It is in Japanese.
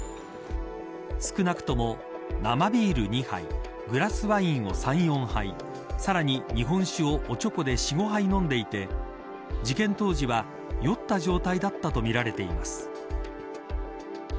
少なくとも生ビール２杯クラスワインを３、４杯さらに日本酒をおちょこで４、５杯飲んでいて事件当時は酔った状態だったと見られています。